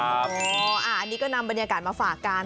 อันนี้ก็นำบรรยากาศมาฝากกัน